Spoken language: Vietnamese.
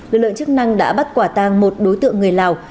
lưu lượng chức năng đã bắt quả tàng một đối tượng người lào